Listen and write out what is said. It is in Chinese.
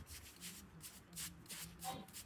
车站名称来自于泰晤士河的支流史丹佛溪。